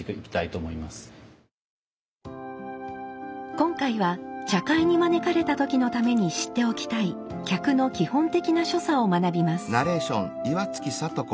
今回は茶会に招かれた時のために知っておきたい客の基本的な所作を学びます。